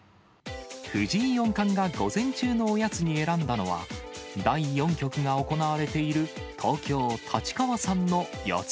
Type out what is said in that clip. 藤井四冠が午前中のおやつに選んだのは、第４局が行われている、東京・立川産のよ